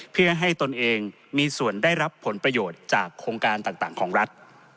เพื่อให้ตนเองมีส่วนได้รับผลประโยชน์จากโครงการต่างของรัฐ